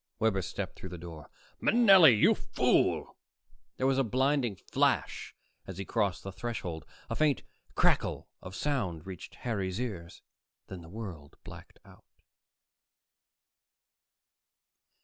Webber stepped through the door. "Manelli, you fool!" There was a blinding flash as he crossed the threshold. A faint crackle of sound reached Harry's ears; then the world blacked out....